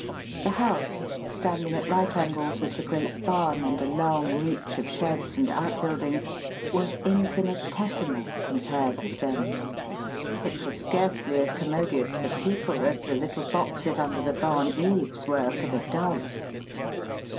The house, standing at right angles with the great barn and a long reach of sheds and out buildings, was infinitesimal compared with them. It was scarcely as commodious for people as the little boxes under the barn eaves were for the doves.